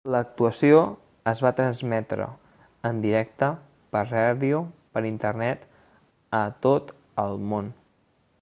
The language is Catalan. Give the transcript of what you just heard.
L'actuació es va transmetre en directe per ràdio per Internet a tot el món.